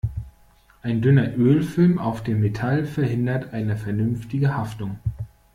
Ein dünner Ölfilm auf dem Metall verhindert eine vernünftige Haftung.